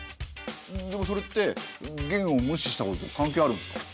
でもそれって元を無視したことと関係あるんですか？